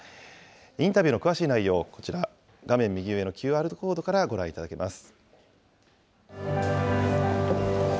インタビューの詳しい内容、こちら、画面右上のＱＲコードからご覧いただけます。